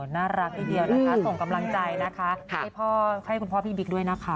น่ารักทีเดียวนะคะส่งกำลังใจนะคะให้คุณพ่อพี่บิ๊กด้วยนะคะ